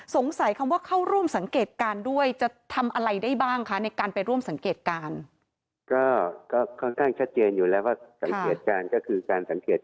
คำว่าเข้าร่วมสังเกตการณ์ด้วยจะทำอะไรได้บ้างคะในการไปร่วมสังเกตการณ์